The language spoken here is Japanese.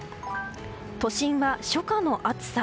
都心は初夏の暑さ。